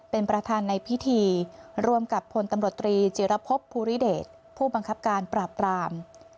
เป็นประธานในพิธีรวมกับพลตำรวจตรีจิรพบภูริเดชผู้บังคับการปราบราม